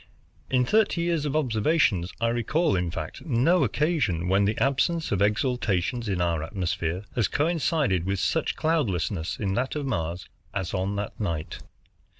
In thirty years of observations, I recall, in fact, no occasion when the absence of exhalations in our atmosphere has coincided with such cloudlessness in that of Mars as on that night.